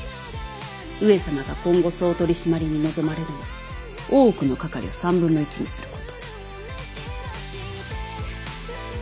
上様が今後総取締に望まれるのは大奥のかかりを３分の１にすること。